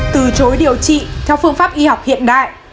từ chối điều trị theo phương pháp y học hiện đại